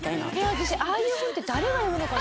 私ああいう本って誰が読むのかな？